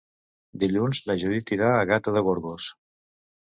Dilluns na Judit irà a Gata de Gorgos.